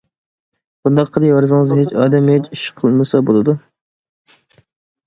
بۇنداق قىلىۋەرسىڭىز ھېچ ئادەم ھېچ ئىش قىلمىسا بولىدۇ.